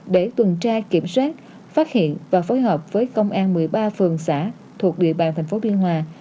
để tuần tra kiểm soát phát hiện và phối hợp với công an một mươi ba phường xã thuộc địa bàn thành phố biên hòa